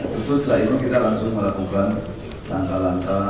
setelah itu kita langsung melakukan langkah langkah